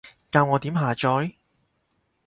教我點下載？